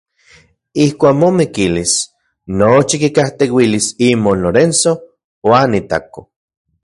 Ijkuak momikilis nochi kikajteuilis imon Lorenzo uan itako.